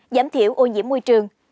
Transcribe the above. giảm thiểu ô nhiễm môi trường